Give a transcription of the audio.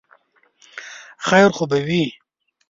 خیر خو به وي ؟